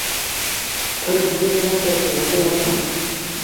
ছবিটি পরিচালনা করেছেন মতিন রহমান।